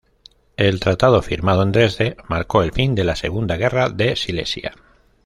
El tratado firmado en Dresde marcó el fin de la Segunda Guerra de Silesia.